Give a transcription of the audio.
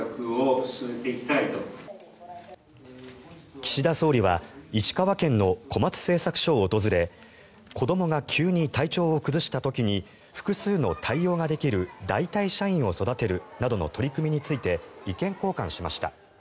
岸田総理は石川県の小松製作所を訪れ子どもが急に体調を崩した時に複数の対応ができる代替社員を育てるなどの取り組みについて意見交換しました。